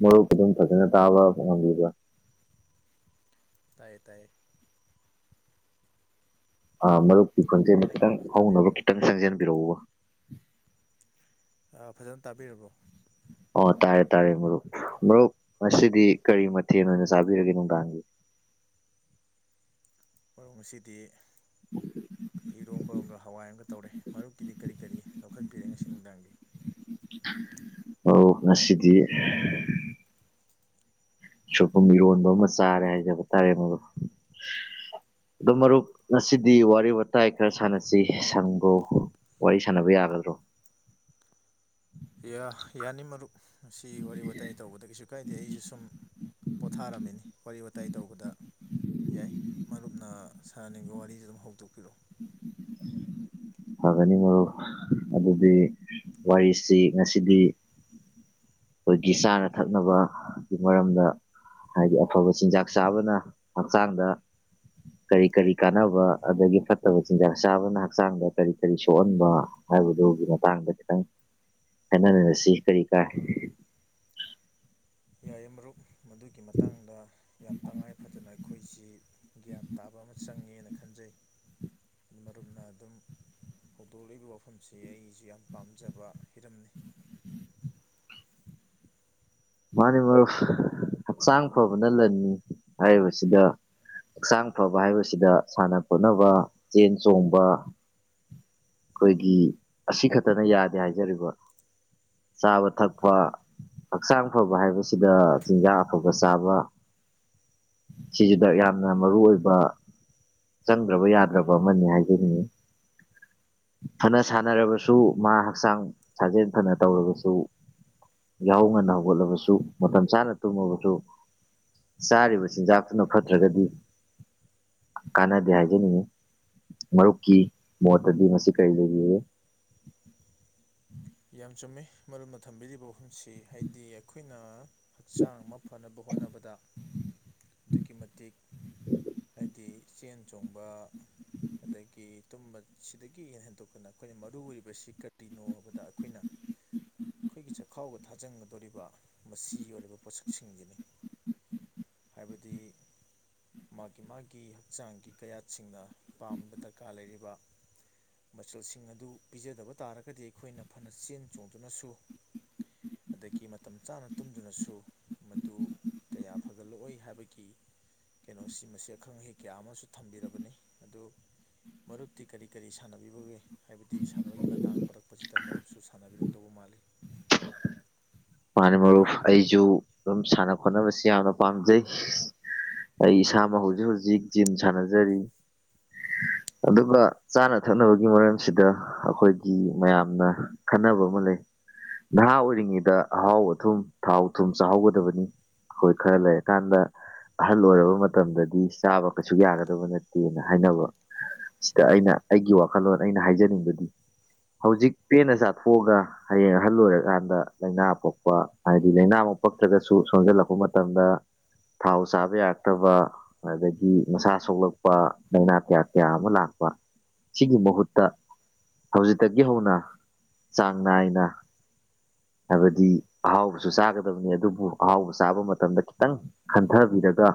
ꯃꯔꯨꯞ ꯈꯨꯗꯝ ꯐꯖꯅ ꯇꯥꯕ ꯐꯪꯍꯝꯕꯤꯕ ꯇꯥꯏꯌꯦ ꯇꯥꯏꯌꯦ ꯑ ꯃꯔꯨꯞ ꯈꯣꯟꯁꯦꯅ ꯑꯩꯅ ꯈꯤꯇꯪ ꯉꯥꯡꯕꯁꯤ ꯍꯧꯅꯕ ꯇꯥꯕꯤꯔꯕ꯭ꯔꯣ ꯈꯤꯇꯪ ꯆꯪꯖꯟꯕꯤꯔꯛꯎꯕ ꯐꯖꯅ ꯇꯥꯕꯤꯔꯕꯣ ꯑꯣ ꯇꯥꯔꯦ ꯇꯥꯔꯦ ꯃꯔꯨꯞ ꯃꯔꯣꯔꯨꯞ ꯉꯗꯤ ꯀꯔꯤ ꯃꯊꯦꯜ ꯑꯣꯏꯅ ꯆꯥꯕꯤꯔꯒꯦ ꯅꯨꯡꯗꯥꯡꯒꯤ ꯃꯔ ꯑꯁꯤꯗꯤ ꯏꯔꯣꯝꯕ ꯑꯃꯒ ꯍꯋꯥꯏ ꯑꯃꯒ ꯇꯧꯔꯦ ꯃꯔꯨꯞꯀꯤꯗꯤ ꯀꯔꯤ ꯀꯔꯤ ꯂꯧꯈꯠꯄꯤꯔꯦ ꯉꯁꯤ ꯅꯨꯡꯗꯥꯡꯒꯤ ꯍ ꯉꯁꯤꯗꯤ ꯁꯣꯏꯄꯨꯝ ꯏꯔꯣꯟꯕ ꯑꯃ ꯆꯥꯔꯦ ꯍꯥꯏꯖꯕ ꯇꯥꯔꯦ ꯃꯣ ꯑꯗꯣ ꯃꯔꯨꯞ ꯉꯁꯤꯗꯤ ꯋꯥꯔꯤ ꯋꯥꯇꯥꯏ ꯈꯔ ꯁꯥꯟꯅꯁꯤ ꯁꯪꯒꯣ ꯋꯥꯔꯤ ꯁꯥꯟꯅꯕ ꯌꯥꯒꯗ꯭ꯔꯣ ꯌꯥ ꯌꯥꯅꯤ ꯃꯔꯔ ꯁꯤ ꯋꯥꯔꯤ ꯋꯥꯇꯥꯏ ꯇꯧꯕꯗ ꯀꯩꯁꯨ ꯀꯥꯏꯗꯦ ꯑꯩꯁꯨ ꯁꯨꯝ ꯄꯣꯊꯥꯔꯝꯃꯤꯅꯤ ꯋꯥꯔꯤ ꯋꯥꯇꯥꯏ ꯇꯧꯕꯗ ꯌꯥꯏ ꯃꯔꯨꯞꯅ ꯁꯥꯥꯟꯅꯤꯡꯕ ꯋꯥꯔꯤꯁꯨ ꯑꯗꯨꯝ ꯍꯧꯗꯣꯛꯄꯤꯔꯛꯑꯣ ꯐꯒꯅꯤ ꯃꯔꯣ ꯑꯗꯨꯗꯤ ꯋꯥꯔꯤꯁꯤ ꯉꯁꯤꯗꯤ ꯑꯩꯈꯣꯏꯒꯤ ꯆꯥꯅ ꯊꯛꯅꯕꯒꯤ ꯃꯔꯝꯗ ꯍꯥꯏꯗꯤ ꯑꯐꯕ ꯆꯤꯟꯖꯥꯛ ꯆꯥꯕꯅ ꯍꯛꯆꯥꯡꯗ ꯀꯔꯤ ꯀꯔꯤ ꯀꯥꯟꯅꯕ ꯑꯗꯒꯤ ꯐꯠꯇꯕ ꯆꯤꯟꯖꯥꯛ ꯆꯥꯕꯅ ꯍꯛꯆꯥꯡꯗ ꯀꯔꯤ ꯀꯔꯤ ꯁꯣꯛꯍꯟꯕ ꯍꯥꯏꯕꯗꯨꯒꯤ ꯃꯇꯥꯡꯗ ꯈꯤꯇꯪ ꯍꯥꯏꯅꯃꯤꯔꯁꯤ ꯀꯔꯤ ꯀꯥꯏ ꯌꯥꯏꯌꯦ ꯃꯔꯨꯞ ꯃꯗꯨꯒꯤ ꯃꯇꯥꯡꯗ ꯌꯥꯝ ꯇꯉꯥꯏ ꯐꯗꯅ ꯑꯩꯈꯣꯏ ꯁꯤ ꯭ꯌꯥꯟ ꯇꯥꯕ ꯑꯃ ꯆꯪꯉꯦꯅ ꯈꯟꯖꯩ ꯑꯗꯨ ꯃꯔꯨꯞꯅ ꯑꯗꯨꯝ ꯍꯧꯗꯣꯛꯂꯛꯏꯕ ꯋꯥꯐꯝꯁꯤ ꯑꯩꯁꯨ ꯌꯥꯝ ꯄꯥꯝꯖꯕ ꯍꯤꯔꯝꯅꯤ ꯃꯥꯅꯤ ꯃꯔ ꯍꯛꯆꯥꯡ ꯐꯕꯅ ꯂꯟꯅꯤ ꯍꯥꯏꯔꯤꯕꯁꯤꯗ ꯍꯛꯆꯥꯡ ꯐꯕ ꯍꯥꯏꯕꯁꯤꯗ ꯁꯥꯟꯅ ꯈꯣꯠꯅꯕ ꯆꯦꯟ ꯆꯣꯡꯕ ꯑꯩꯈꯣꯏꯒꯤ ꯑꯁꯤ ꯈꯛꯇꯅ ꯌꯥꯗꯦ ꯍꯥꯏꯖꯔꯤꯕ ꯆꯥꯕ ꯊꯛꯄ ꯍꯛꯆꯥꯡ ꯐꯕ ꯍꯥꯏꯕꯁꯤꯗ ꯆꯤꯟꯖꯥꯛ ꯑꯐꯕ ꯆꯥꯕ ꯁꯤꯁꯤꯗ ꯌꯥꯝꯅ ꯃꯔꯨ ꯑꯣꯏꯕ ꯆꯪꯗ꯭ꯔꯕ ꯌꯥꯗ꯭ꯔꯕ ꯑꯃꯅꯤ ꯍꯥꯏꯖꯅꯤꯡꯏꯤ ꯐꯅ ꯁꯥꯟꯅꯔꯕꯁꯨ ꯃꯥ ꯍꯛꯆꯥꯡ ꯁꯥꯖꯦꯜ ꯐꯅ ꯇꯧꯔꯕꯁꯨ ꯌꯥꯍꯧꯅꯅ ꯍꯧꯒꯠꯂꯕꯁꯨ ꯃꯇꯝ ꯆꯥꯅ ꯇꯨꯝꯃꯕꯁꯨ ꯆꯥꯔꯤꯕ ꯆꯤꯟꯖꯥꯛꯇꯨꯅ ꯐꯠꯇ꯭ꯔꯒꯗꯤ ꯀꯥꯟꯅꯗꯦ ꯍꯥꯏꯖꯅꯤꯡꯉꯤ ꯃꯔꯨꯞꯀꯤ ꯃꯣꯠꯇꯗꯤ ꯃꯁꯤ ꯀꯔꯤ ꯂꯩꯔꯤꯒꯦ ꯌꯥꯝ ꯆꯨꯝꯃꯦ ꯃꯔꯝꯅ ꯊꯝꯕꯤꯔꯤꯕ ꯋꯥꯐꯝꯁꯤ ꯍꯥꯏꯗꯤ ꯑꯩꯈꯣꯏꯅ ꯍꯛꯆꯥꯡ ꯑꯃ ꯐꯅꯕ ꯍꯣꯠꯅꯕꯗ ꯑꯗꯨꯛꯀꯤ ꯃꯇꯤꯛ ꯍꯥꯏꯗꯤ ꯆꯦꯟ ꯆꯣꯡꯕ ꯑꯗꯒꯤ ꯇꯨꯝꯕꯁꯤꯗꯒꯤ ꯍꯦꯟꯗꯣꯛꯀꯅ ꯑꯩꯈꯣꯏꯅ ꯃꯔꯨ ꯑꯣꯏꯔꯤꯕꯁꯤ ꯀꯔꯤꯅꯣ ꯍꯥꯏꯕꯗ ꯑꯩꯈꯣꯏꯅ ꯑꯩꯈꯣꯏꯒꯤ ꯆꯈꯥꯎꯒ ꯊꯥꯖꯟꯒꯗꯧꯔꯤꯕ ꯃꯁꯤꯒꯤ ꯑꯣꯏꯔꯤꯕ ꯄꯣꯠꯁꯛꯁꯤꯡꯁꯤꯅꯤ ꯍꯥꯏꯕꯗꯤ ꯃꯥꯒꯤ ꯃꯥꯒꯤ ꯍꯛꯆꯥꯡꯒꯤ ꯀꯌꯥꯠꯁꯤꯡꯅ ꯄꯥꯝꯕ ꯗꯔꯀꯥꯔ ꯂꯩꯔꯤꯕ ꯃꯆꯜꯁꯤꯡ ꯑꯗꯨ ꯄꯤꯖꯗꯕ ꯇꯥꯔꯒꯗꯤ ꯑꯩꯈꯣꯏꯅ ꯐꯅ ꯆꯦꯟ ꯆꯣꯡꯗꯨꯅꯁꯨ ꯑꯗꯒꯤ ꯃꯇꯝ ꯆꯥꯅ ꯇꯨꯝꯗꯨꯅꯁꯨ ꯃꯗꯨ ꯀꯌꯥ ꯐꯒꯠꯂꯛꯑꯣꯏ ꯍꯥꯏꯕꯒꯤ ꯀꯩꯅꯣꯁꯤ ꯃꯁꯤ ꯑꯈꯪ ꯑꯍꯩ ꯀꯌꯥ ꯑꯃꯁꯨ ꯊꯝꯕꯤꯔꯕꯅꯤ ꯑꯗꯨ ꯃꯔꯨꯞꯇꯤ ꯀꯔꯤ ꯀꯔꯤ ꯁꯥꯟꯅꯕꯤꯕꯒꯦ ꯍꯥꯏꯕꯗꯤ ꯁꯥꯟꯅꯕꯒꯤ ꯃꯇꯥꯡ ꯄꯔꯛꯄꯁꯤꯗ ꯈꯤꯇ ꯑꯗꯨꯨꯞꯁꯨ ꯁꯥꯟꯅꯕꯤꯔꯝꯗꯧꯕ ꯃꯥꯜꯂꯤ ꯃꯥꯅꯤ ꯃꯔꯨꯞ ꯑꯩꯁꯨ ꯑꯗꯨꯝ ꯁꯥꯟꯅ ꯈꯣꯠꯅꯕꯁꯤ ꯌꯥꯝꯅ ꯄꯥꯝꯖꯩ ꯑꯩ ꯏꯁꯥꯃꯛ ꯍꯧꯖꯤꯛ ꯍꯧꯖꯤꯛ ꯖꯤꯝ ꯁꯥꯟꯅꯖꯔꯤ ꯑꯗꯨꯒ ꯆꯥꯅ ꯊꯛꯅꯕꯒꯤ ꯃꯔꯝꯁꯤꯗ ꯑꯩꯈꯣꯏꯒꯤ ꯃꯌꯥꯝꯅ ꯈꯟꯅꯕ ꯑꯃ ꯂꯩ ꯅꯍꯥ ꯑꯣꯏꯔꯤꯉꯩꯗ ꯑꯍꯥꯎ ꯑꯊꯨꯝ ꯊꯥꯎ ꯊꯨꯝ ꯆꯥꯍꯧꯒꯗꯕꯅꯤ ꯑꯩꯈꯣꯏ ꯈꯔ ꯂꯩꯔꯀꯥꯟꯗ ꯑꯍꯜ ꯑꯣꯏꯔꯕ ꯃꯇꯝꯗꯗꯤ ꯆꯥꯕ ꯀꯩꯁꯨ ꯌꯥꯒꯗꯕ ꯅꯠꯇꯦꯅ ꯍꯥꯏꯅꯕ ꯁꯤꯗ ꯑꯩꯅ ꯑꯩꯒꯤ ꯋꯥꯈꯜꯂꯣꯟ ꯑꯩꯅ ꯍꯥꯏꯖꯅꯤꯡꯕꯗꯤ ꯍꯧꯖꯤꯛ ꯄꯦꯟꯅ ꯆꯥꯊꯣꯛꯑꯒ ꯍꯌꯦꯡ ꯑꯍꯜ ꯑꯣꯏꯔꯀꯥꯟꯗ ꯂꯥꯏꯅꯥ ꯊꯣꯛꯄ ꯍꯥꯏꯗꯤ ꯂꯥꯏꯅꯥ ꯑꯃ ꯄꯛꯇ꯭ꯔꯒꯁꯨ ꯁꯣꯟꯖꯜꯂꯛꯄ ꯃꯇꯝꯗ ꯊꯥꯎ ꯆꯥꯕ ꯌꯥꯔꯛꯇ꯭ꯔꯕ ꯑꯗꯨꯗꯒꯤ ꯃꯁꯥ ꯁꯣꯛꯂꯛꯄ ꯂꯥꯏꯅꯥ ꯀꯌꯥ ꯀꯌꯥ ꯑꯃ ꯂꯥꯛꯄ ꯁꯤꯒꯤ ꯃꯍꯨꯠꯇ ꯍꯧꯖꯤꯛꯇꯒꯤ ꯍꯧꯅ ꯆꯥꯡ ꯅꯥꯏꯅ ꯍꯥꯏꯕꯗꯤ ꯍꯥꯏꯗꯤ ꯑꯍꯥꯎꯕꯁꯨ ꯆꯥꯒꯗꯕꯅꯤ ꯑꯗꯨꯕꯨ ꯑꯍꯥꯎꯕ ꯆꯥꯕ ꯃꯇꯝꯗ ꯈꯤꯇꯪ ꯈꯟꯊꯕꯤꯔꯒ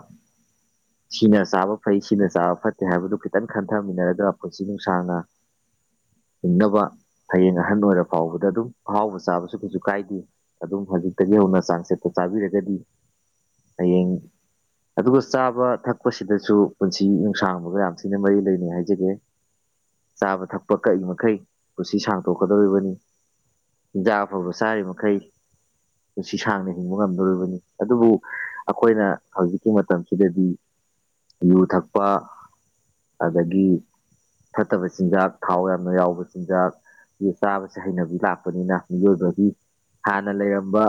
ꯁꯤꯅ ꯆꯥꯕ ꯐꯩ ꯁꯤꯅ ꯆꯥꯕ ꯐꯠꯇꯦ ꯍꯥꯏꯕꯗꯨ ꯈꯤꯇꯪ ꯈꯟꯊꯃꯤꯟꯅꯔꯒ ꯄꯨꯟꯁꯤ ꯅꯨꯡꯁꯥꯡꯅ ꯍꯤꯡꯅꯕ ꯍꯌꯦꯡ ꯑꯍꯟ ꯑꯣꯏꯔꯕ ꯐꯥꯎꯕꯗ ꯑꯗꯨꯝ ꯑꯍꯥꯎꯕ ꯆꯥꯕꯁꯨ ꯀꯩꯁꯨ ꯀꯥꯏꯗꯦ ꯑꯗꯨꯝ ꯍꯧꯖꯤꯛꯇꯒꯤ ꯍꯧꯅ ꯆꯥꯡ ꯁꯦꯄ ꯆꯥꯕꯤꯔꯒꯗꯤ ꯍꯌꯦꯡ ꯑꯗꯨꯒ ꯆꯥꯕ ꯊꯛꯄꯁꯤꯗꯁꯨ ꯄꯨꯟꯁꯤ ꯅꯨꯡꯁꯥꯡꯕꯒ ꯌꯥꯝ ꯊꯤꯅ ꯃꯔꯤ ꯂꯩꯅꯩ ꯍꯥꯏꯖꯒꯦ ꯆꯥꯕ ꯊꯛꯄ ꯀꯛꯏ ꯃꯈꯩ ꯄꯨꯟꯁꯤ ꯁꯥꯡꯇꯣꯛꯀꯗꯧꯔꯤꯕꯅꯤ ꯍꯤꯟꯖꯥꯛ ꯑꯐꯕ ꯆꯥꯔꯤ ꯃꯈꯩ ꯁꯤ ꯁꯥꯡꯅ ꯍꯤꯡꯕ ꯉꯝꯗꯣꯔꯤꯕꯅꯤ ꯑꯗꯨꯕꯨ ꯑꯩꯈꯣꯏꯅ ꯍꯧꯖꯤꯛꯀꯤ ꯃꯇꯝꯁꯤꯗꯗꯤ ꯌꯨ ꯊꯛꯄ ꯑꯗꯒꯤ ꯐꯠꯇꯕ ꯆꯤꯟꯖꯥꯛ ꯊꯥꯎ ꯌꯥꯝꯅ ꯌꯥꯎꯕ ꯆꯤꯟꯖꯥꯛ ꯁꯤ ꯆꯥꯕꯕꯁꯤꯦ ꯍꯩꯅꯕꯤ ꯂꯥꯛꯄꯅꯤꯅ ꯃꯤꯑꯣꯏꯕꯒꯤ ꯍꯥꯟꯅ ꯂꯩꯔꯝꯕ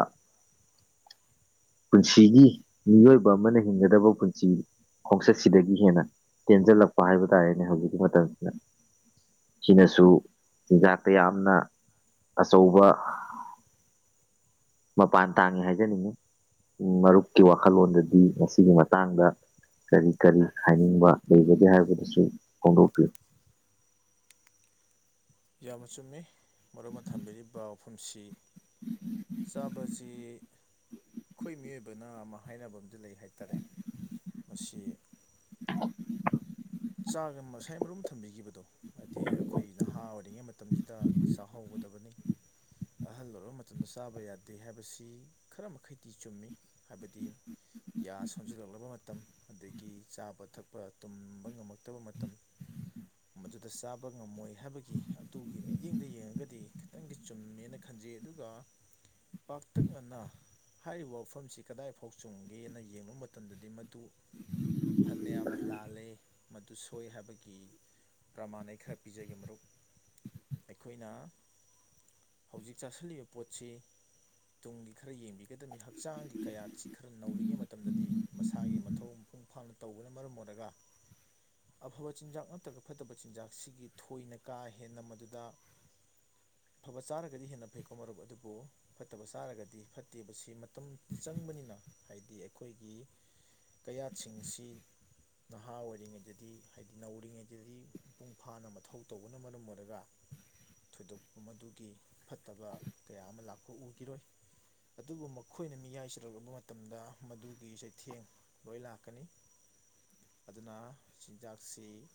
ꯄꯨꯟꯁꯤꯒꯤ ꯃꯤꯑꯣꯏꯕ ꯑꯃꯅ ꯍꯤꯡꯒꯗꯕ ꯄꯨꯟꯁꯤ ꯈꯣꯡꯆꯠꯁꯤꯗꯒꯤ ꯍꯦꯟꯅ ꯇꯦꯟꯖꯜꯂꯛꯄ ꯍꯥꯏꯕ ꯇꯥꯔꯦꯅꯦ ꯍꯧꯖꯤꯛꯀꯤ ꯃꯇꯝꯁꯤꯗ ꯁꯤꯅꯁꯨ ꯆꯤꯟꯖꯥꯛꯇ ꯌꯥꯝꯅ ꯑꯆꯧꯕ ꯃꯄꯥꯟ ꯇꯥꯡꯉꯤ ꯍꯥꯏꯖꯅꯤꯡꯉꯤ ꯃꯔꯨꯞꯀꯤ ꯋꯥꯈꯜꯂꯣꯟꯗꯗꯤ ꯃꯁꯤꯒꯤ ꯃꯇꯥꯡꯗ ꯀꯔꯤ ꯀꯔꯤ ꯍꯥꯏꯅꯤꯡꯕ ꯂꯩꯕꯒꯦ ꯍꯥꯏꯕꯗꯨꯁꯨ ꯐꯣꯡꯗꯣꯛꯄꯤꯌꯨ ꯌꯥꯝ ꯃ ꯆꯨꯝꯃꯤ ꯃꯔꯨꯞ ꯑꯃ ꯊꯝꯕꯤꯔꯤꯕ ꯆ ꯐꯨꯝꯁꯤ ꯆꯥꯕꯁꯤ ꯑꯩꯈꯣꯏ ꯃꯤꯑꯣꯏꯕꯅ ꯑꯃ ꯍꯥꯏꯅꯕ ꯑꯝꯗ ꯂꯩ ꯍꯥꯏꯇꯥꯔꯦ ꯃꯁꯤ ꯆꯥꯒ ꯉꯁꯥꯏ ꯃꯔꯨꯝ ꯊꯝꯕꯤꯈꯤꯕꯗꯣ ꯍꯥꯏꯗꯤ ꯑꯩꯈꯣꯏ ꯅꯍꯥ ꯑꯣꯏ ꯌꯥꯜꯂꯤꯉꯩ ꯃꯇꯝꯁꯤꯗ ꯆꯥꯛꯍꯧꯒꯗꯕꯅꯤ ꯑꯍꯜ ꯑꯣꯏꯔꯕ ꯃꯇꯝꯗ ꯆꯥꯕ ꯌꯥꯗꯦ ꯍꯥꯏꯕꯁꯤ ꯈꯔ ꯃꯈꯩꯗꯤ ꯆꯨꯝꯃꯤ ꯍꯥꯏꯕꯗꯤ ꯌꯥ ꯁꯣꯟꯁꯤꯜꯂꯛꯂꯕ ꯃꯇꯝ ꯑꯗꯒꯤ ꯆꯥꯕ ꯊꯛꯄ ꯉꯝꯃꯛꯇꯕ ꯃꯇꯝ ꯃꯗꯨꯗ ꯆꯥꯕ ꯉꯝꯃꯣꯏ ꯍꯥꯏꯕꯒꯤ ꯑꯗꯨꯒꯤ ꯃꯤꯠꯌꯦꯡꯗ ꯌꯦꯡꯉꯒꯗꯤ ꯈꯤꯇꯪꯗꯤ ꯆꯨꯝꯃꯦꯅ ꯈꯟꯖꯩ ꯑꯗꯨꯒ ꯄꯥꯛꯇꯛꯅꯅ ꯍꯥꯏꯔꯤꯕ ꯋꯥꯐꯝꯁꯤ ꯀꯗꯥꯏ ꯐꯥꯎ ꯆꯨꯝꯒꯦꯅ ꯌꯦꯡꯕ ꯃꯇꯝꯗꯗꯤ ꯃꯗꯨ ꯐꯅ ꯌꯥꯝꯅ ꯂꯥꯜꯂꯦ ꯃꯗꯨ ꯁꯣꯏ ꯍꯥꯏꯕꯒꯤ ꯄ꯭ꯔꯃꯥꯟ ꯑꯩ ꯈꯔ ꯄꯤꯖꯒꯦ ꯃꯔꯨꯞ ꯑꯩꯈꯣꯏꯅ ꯍꯧꯖꯤꯛ ꯆꯥꯥꯁꯜꯂꯤꯕ ꯄꯣꯠꯁꯤ ꯇꯨꯡꯒꯤ ꯈꯔ ꯌꯦꯡꯕꯤꯒꯗꯕꯅꯤ ꯍꯛꯆꯥꯡꯒꯤ ꯀꯌꯥꯠꯁꯤ ꯈꯔ ꯅꯧꯔꯤꯉꯩ ꯃꯇꯝꯗꯗꯤ ꯃꯁꯥꯒꯤ ꯃꯊꯧ ꯃꯄꯨꯡ ꯐꯥꯅ ꯇꯧꯕꯅ ꯃꯔꯝ ꯑꯣꯏꯔꯒ ꯑꯐꯕ ꯆꯤꯟꯖꯥꯛ ꯅꯠꯇ꯭ꯔꯒ ꯐꯠꯇꯕ ꯆꯤꯟꯖꯥꯛꯁꯤꯒꯤ ꯊꯣꯏꯅ ꯀꯥ ꯍꯦꯟꯅ ꯃꯗꯨꯗ ꯑꯐꯕ ꯆꯥꯔꯒꯗꯤ ꯍꯦꯟꯅ ꯐꯩꯀꯣ ꯃꯔꯨꯞ ꯑꯗꯨꯕꯨ ꯐꯠꯇꯕ ꯆꯥꯔꯒꯗꯤ ꯐꯠꯇꯦꯕꯁꯤ ꯃꯇꯝꯗꯤ ꯆꯪꯕꯅꯤꯅ ꯍꯥꯏꯗꯤ ꯑꯩꯈꯣꯏꯒꯤ ꯀꯌꯥꯠꯁꯤꯡꯁꯤ ꯅꯍꯥ ꯑꯣꯏꯔꯤꯉꯩꯗ ꯁꯤꯗꯗꯤ ꯍꯥꯏꯗꯤ ꯅꯧꯔꯤꯉꯩꯗꯗꯤ ꯃꯄꯨꯡ ꯐꯥꯅ ꯃꯊꯧ ꯇꯧꯕꯅ ꯃꯔꯝ ꯑꯣꯏꯔꯒ ꯊꯣꯏꯗꯣꯛꯄ ꯃꯗꯨꯒꯤ ꯐꯠꯇꯕ ꯀꯌꯥ ꯑꯃ ꯂꯥꯛꯄ ꯎꯈꯤꯔꯣꯏ ꯑꯗꯨꯕꯨ ꯃꯈꯣꯏꯅ ꯃꯤꯌꯥꯏ ꯆꯔꯛꯂꯕ ꯃꯇꯝꯗ ꯃꯗꯨꯒꯤ ꯆꯩꯊꯦꯡ ꯂꯣꯏ ꯂꯥꯛꯀꯅꯤ ꯑꯗꯨꯅ ꯆꯤꯟꯖꯥꯛꯁꯤ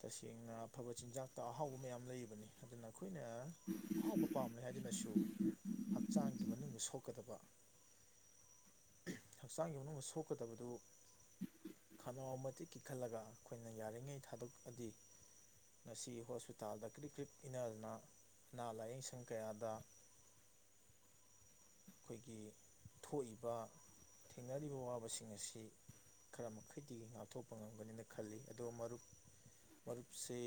ꯇꯁꯦꯡꯅ ꯑꯐꯕ ꯆꯤꯟꯖꯥꯛꯇ ꯑꯍꯥꯎꯕ ꯃꯌꯥꯝ ꯂꯩꯕꯅꯤ ꯑꯗꯨꯅ ꯑꯩꯈꯣꯏ ꯑꯩꯈꯣꯏꯅ ꯍꯥꯎꯕ ꯄꯥꯝꯂ ꯍꯥꯏꯗꯨꯅ ꯁꯤ ꯍꯛꯆꯥꯡꯒꯤ ꯃꯅꯨꯡꯗꯣꯛꯀꯕ ꯍꯛꯆꯥꯡꯒꯤ ꯃꯅꯨꯡꯗꯣꯛꯀꯗꯕꯗꯨ ꯈꯅꯥꯎ ꯃꯇ ꯏꯈꯜꯂꯒ ꯑꯩꯈꯣꯏꯅ ꯌꯥꯔꯤꯉꯩ ꯊꯥꯗꯣꯛꯑꯗꯤ ꯉꯁꯤ ꯍꯣꯁꯄꯤꯇꯥꯜꯗ ꯀ꯭ꯔꯤꯛ ꯀ꯭ꯔꯤꯛ ꯏꯅꯗꯅ ꯑꯅꯥ ꯂꯥꯏꯌꯦꯡ ꯁꯪ ꯀꯌꯥꯗ ꯑꯩꯈꯣꯏꯒꯤ ꯊꯣꯛꯏꯕ ꯊꯦꯡꯅꯔꯤꯕ ꯑꯋꯥꯕꯁꯤꯡ ꯑꯁꯤ ꯈꯔ ꯃꯈꯩꯗꯤ ꯉꯥꯛꯊꯣꯛꯄ ꯉꯝꯒꯅꯦꯅ ꯈꯜꯂꯤ ꯑꯗꯣ ꯃꯔꯨꯞ ꯃꯔꯨꯞꯁꯤ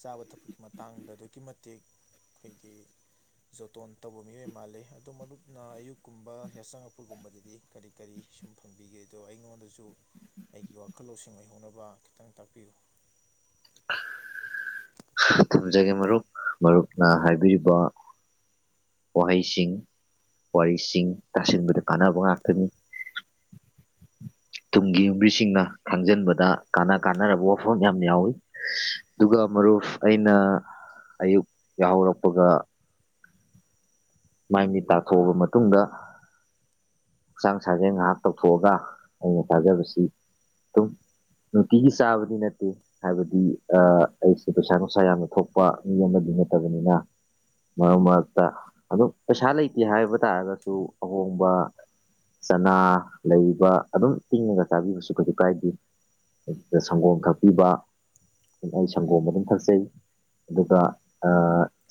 ꯆꯥꯕ ꯊꯛꯄꯒꯤ ꯃꯇꯥꯡꯗ ꯑꯗꯨꯛꯀꯤ ꯃꯇꯤꯛ ꯑꯩꯈꯣꯏꯒꯤ ꯖꯣꯇꯣꯟ ꯇꯧꯕ ꯃꯤꯑꯣꯏ ꯃꯥꯜꯂꯤ ꯑꯗꯣ ꯃꯔꯨꯞ ꯅ ꯑꯌꯨꯛꯀꯨꯝꯕ ꯌꯥꯆꯪꯉꯛꯄꯒꯨꯝꯕꯗꯗꯤ ꯀꯔꯤ ꯀꯔꯤ ꯁꯨꯝ ꯐꯪꯕꯤꯒꯦ ꯑꯗꯣ ꯑꯩꯉꯣꯟꯗꯁꯨ ꯑꯩꯒꯤ ꯋꯥꯈꯜ ꯂꯧꯁꯤꯡ ꯑꯣꯏꯍꯧꯅꯕ ꯈꯤꯇꯪ ꯇꯥꯛꯄꯤꯌꯨ ꯊꯝꯖꯒꯦ ꯃꯔꯨꯞ ꯃꯔꯨꯞꯅ ꯍꯥꯏꯕꯤꯔꯤꯕ ꯋꯥꯍꯩꯁꯤꯡ ꯋꯥꯔꯤꯁꯤꯡ ꯇꯥꯁꯤꯟꯕꯗ ꯀꯥꯟꯅꯕ ꯉꯥꯛꯇꯅꯤ ꯇꯨꯡꯒꯤ ꯌꯨꯝꯕꯤꯁꯤꯡꯅ ꯈꯪꯖꯤꯟꯕꯗ ꯀꯥꯅ ꯀꯥꯟꯅꯔꯕ ꯋꯥꯐꯝ ꯌꯥꯝ ꯌꯥꯎꯋꯤ ꯑꯗꯨꯒ ꯃꯔꯨꯞ ꯑꯩꯅ ꯑꯌꯨꯛ ꯌꯥꯍꯧꯔꯛꯄꯒ ꯃꯥꯏ ꯃꯤꯠ ꯇꯥꯊꯣꯛꯑꯕ ꯃꯇꯨꯡꯗ ꯍꯛꯆꯥꯡ ꯁꯥꯖꯦꯟ ꯉꯥꯏꯍꯥꯛ ꯇꯧꯊꯣꯛꯑꯒ ꯑꯩꯅ ꯊꯥꯖꯕꯁꯤ ꯑꯗꯨꯝ ꯅꯨꯡꯇꯤꯒꯤ ꯆꯥꯕꯗꯤ ꯅꯠꯇꯦ ꯍꯥꯏꯕꯗꯤ ꯑꯩꯁꯦ ꯄꯩꯁꯥ ꯅꯨꯡꯁꯥ ꯌꯥꯝꯅ ꯊꯣꯛꯄ ꯃꯤ ꯑꯃꯗꯤ ꯅꯠꯇꯕꯅꯤꯅ ꯃꯔꯛ ꯃꯔꯛꯇ ꯑꯗꯨꯝ ꯄꯩꯁꯥ ꯂꯩꯇꯦ ꯍꯥꯏꯕ ꯇꯥꯔꯒꯁꯨ ꯑꯍꯣꯡꯕ ꯆꯅꯥ ꯂꯩꯕ ꯑꯗꯨꯝ ꯇꯤꯡꯉꯒ ꯆꯥꯕꯤꯕꯁꯨ ꯀꯩꯁꯨ ꯀꯥꯏꯗꯦ ꯑꯗꯨꯗ ꯁꯪꯒꯣꯝ ꯀꯛꯄꯤꯕ ꯑꯩ ꯁꯪꯒꯣꯝ ꯑꯗꯨꯝ ꯊꯛꯆꯩ ꯑꯗꯨꯒ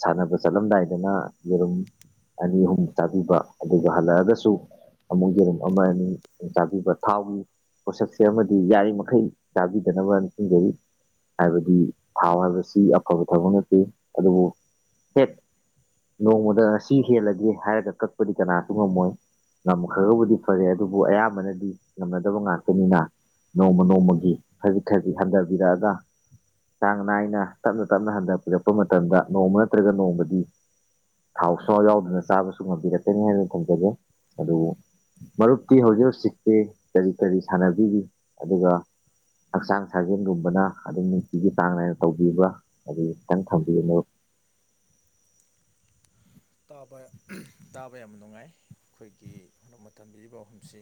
ꯁꯥꯟꯅꯕ ꯆꯠꯂꯝꯗꯥꯏꯗꯅ ꯌꯦꯔꯨꯝ ꯑꯅꯤ ꯑꯍꯨꯝ ꯆꯥꯕꯤꯕ ꯑꯗꯨꯒ ꯍꯜꯂꯛꯑꯒꯁꯨ ꯑꯃꯨꯛ ꯌꯦꯔꯨꯝ ꯑꯃ ꯑꯅꯤ ꯆꯥꯕꯤꯕ ꯊꯥꯎꯒꯤ ꯄꯣꯠꯁꯛꯁꯦ ꯑꯃꯗꯤ ꯌꯥꯔꯤꯃꯈꯩ ꯆꯥꯕꯤꯗꯅꯕ ꯈꯁꯤꯡꯖꯩ ꯍꯥꯏꯕꯗꯤ ꯊꯥꯎ ꯍꯥꯏꯕꯁꯤ ꯑꯐꯕ ꯊꯕꯛ ꯅꯠꯇꯦ ꯑꯗꯨꯕꯨ ꯍꯦꯛ ꯅꯣꯡꯃꯗ ꯁꯤ ꯍꯦꯜꯂꯒꯦ ꯍꯥꯏꯔꯒ ꯀꯛꯄꯗꯤ ꯀꯅꯥꯁꯨ ꯉꯝꯃꯣꯏ ꯉꯝꯈ꯭ꯔꯒꯕꯨꯗꯤ ꯐꯔꯦ ꯑꯗꯨꯕꯨ ꯑꯌꯥꯝꯕꯅꯗꯤ ꯉꯝꯅꯗꯕ ꯉꯥꯛꯇꯅꯤꯅ ꯅꯣꯡꯃ ꯅꯣꯡꯃꯒꯤ ꯈꯖꯤꯛ ꯈꯖꯤꯛ ꯍꯟꯊꯕꯤꯔꯛꯑꯒ ꯆꯥꯡ ꯅꯥꯏꯅ ꯇꯞꯅ ꯇꯞꯅ ꯍꯟꯊꯕꯤꯔꯛꯄ ꯃꯇꯝꯗ ꯅꯣꯡꯃ ꯅꯠꯇ꯭ꯔꯒ ꯅꯣꯡꯃꯗꯤ ꯊꯥꯎ ꯑꯁꯋꯥ ꯌꯥꯎꯗꯅ ꯆꯥꯕꯁꯨ ꯉꯝꯕꯤꯔꯛꯀꯅꯤ ꯍꯥꯏꯅ ꯊꯝꯖꯒꯦ ꯑꯗꯨꯕꯨ ꯃꯔꯨꯞꯇꯤ ꯍꯧꯖꯤꯛ ꯍꯧꯖꯤꯛꯇꯤ ꯀꯔꯤ ꯀꯔꯤ ꯁꯥꯟꯅꯕꯤꯔꯤ ꯑꯗꯨꯒ ꯍꯛꯆꯥꯡ ꯁꯥꯖꯦꯟꯒꯨꯝꯕꯅ ꯑꯗꯨꯝ ꯅꯨꯡꯇꯤꯒꯤ ꯆꯥꯡ ꯅꯥꯏꯅ ꯇꯧꯕꯤꯕ ꯑꯗꯨ ꯈꯤꯇꯪ ꯊꯝꯕꯤꯌꯨ ꯃꯔꯨꯞ ꯇꯥꯕ ꯇꯥꯕ ꯌꯥꯝ ꯅꯨꯡꯉꯥꯏ ꯑꯩꯈꯣꯏꯒꯤꯛ ꯃꯇꯝ ꯄꯤꯔꯤꯕ ꯑꯍꯨꯝꯁꯤ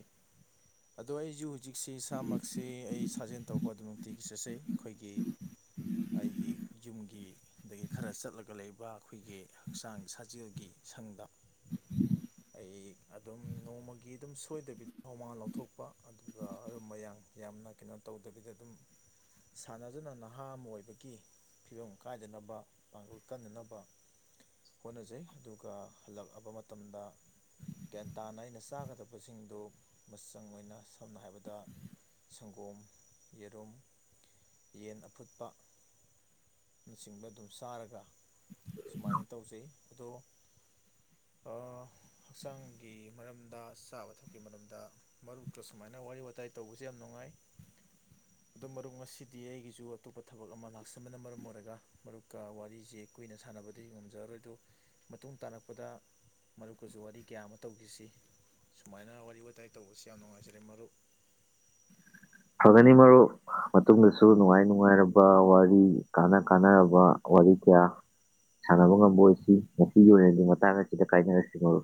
ꯑꯗꯣ ꯑꯩꯁꯨ ꯍꯧꯖꯤꯛ ꯍꯧꯖꯤꯛꯁꯤ ꯏꯁꯥꯃꯛꯁꯤ ꯑꯩ ꯁꯥꯖꯦꯜ ꯇꯧꯕ ꯑꯗꯨꯃꯛꯇꯤ ꯒꯤ ꯆꯠꯆꯩ ꯑꯩꯈꯣꯏꯒꯤ ꯑꯩꯒꯤ ꯌꯨꯝꯒꯤ ꯑꯗꯒꯤ ꯈꯔ ꯆꯠꯂꯒ ꯂꯩꯕ ꯑꯩꯈꯣꯏꯒꯤ ꯍꯛꯆꯥꯡ ꯁꯥꯖꯦꯜꯒꯤ ꯒꯤ ꯁꯪꯗ ꯍ ꯑꯗꯨꯝ ꯅꯣꯡꯃꯒꯤ ꯑꯗꯨꯝ ꯁꯣꯏꯗꯕꯤꯗ ꯍꯧꯃꯥꯡ ꯂꯧꯊꯣꯛꯄ ꯑꯗꯨꯒ ꯑꯔꯨꯝ ꯃꯌꯥꯡ ꯌꯥꯝꯅ ꯀꯩꯅꯣ ꯇꯧꯗꯕꯤꯗ ꯑꯗꯨꯝ ꯁꯥꯟꯅꯗꯨꯅ ꯅꯍꯥ ꯑꯃ ꯑꯣꯏꯕꯒꯤ ꯐꯤꯕꯝ ꯀꯥꯏꯗꯅꯕ ꯄꯥꯡꯒꯜ ꯀꯟꯅꯅꯕ ꯍꯣꯠꯅꯖꯩ ꯑꯗꯨꯒ ꯍꯜꯂꯛꯑꯕ ꯃꯇꯝꯗ ꯒ꯭ꯌꯥꯟ ꯇꯥꯅ ꯑꯩꯅ ꯆꯥꯒꯗꯕꯁꯤꯡꯗꯨ ꯃꯆꯪ ꯑꯣꯏꯅ ꯁꯝꯅ ꯍꯥꯏꯔꯕꯗ ꯁꯪꯒꯣꯝ ꯌꯦꯔꯨꯝ ꯌꯦꯟ ꯑꯐꯨꯠꯄ ꯅꯆꯤꯡꯕ ꯑꯗꯨꯝ ꯆꯥꯔꯒ ꯁꯨꯃꯥꯏꯅ ꯇꯧꯖꯩ ꯑꯗꯣ ꯍꯛꯆꯥꯡꯒꯤ ꯃꯔꯝꯗ ꯆꯥꯕ ꯊꯛꯀꯤ ꯃꯔꯝꯗ ꯃꯔꯨꯞꯀ ꯁꯨꯃꯥꯏꯅ ꯋꯥꯔꯤ ꯋꯥꯇꯥꯏ ꯇꯧꯕꯁꯦ ꯌꯥꯝ ꯅꯨꯡꯉꯥꯏ ꯑꯣ ꯃꯔꯨꯞ ꯉꯁꯤꯗꯤ ꯑꯩꯒꯤꯁꯨ ꯑꯇꯣꯞꯄ ꯊꯕꯛ ꯑꯃ ꯂꯥꯛꯆꯕꯅ ꯃꯔꯝ ꯑꯣꯏꯔꯒ ꯃꯔꯨꯞꯀ ꯋꯥꯔꯤꯁꯦ ꯀꯨꯏꯅ ꯁꯥꯟꯅꯕꯗꯤ ꯉꯝꯖꯔꯔꯣꯏꯗꯣ ꯃꯇꯨꯡ ꯇꯥꯔꯛꯄꯗ ꯃꯔꯨꯞꯀꯁꯨ ꯋꯥꯔꯤ ꯀꯌꯥ ꯑꯃ ꯇꯧꯈꯤꯁꯤ ꯁꯨꯃꯥꯏꯅ ꯋꯥꯔꯤ ꯋꯥꯇꯥꯏ ꯇꯧꯕꯁꯤ ꯌꯥꯝ ꯅꯨꯡꯉꯥꯏꯖꯔꯦ ꯃꯔꯨꯞ ꯐꯒꯅꯤ ꯃꯔꯨ ꯃꯇꯨꯡꯗꯁꯨ ꯅꯨꯡꯉꯥꯏ ꯅꯨꯡꯉꯥꯏꯔꯕ ꯋꯥꯔꯤ ꯀꯥꯟꯅ ꯀꯥꯟꯅꯔꯕ ꯋꯥꯔꯤ ꯀꯌꯥ ꯁꯥꯟꯅꯕ ꯉꯝꯕ ꯑꯣꯏꯁꯤ ꯉꯁꯤꯒꯤ ꯑꯣꯏꯅꯗꯤ ꯃꯇꯥꯡ ꯑꯁꯤꯗ ꯀꯥꯏꯅꯔꯁꯤ ꯃꯔꯨ